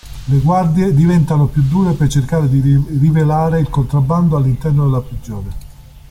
Le guardie diventano più dure per cercare di rivelare il contrabbando all'interno della prigione.